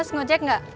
mas ngecek gak